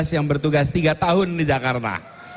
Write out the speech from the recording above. yang bertugas tiga tahun di jakarta